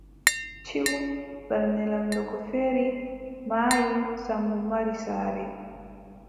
Ciw, Ɓernde laamɗo go feeri, maayi, Sammbo mari saare.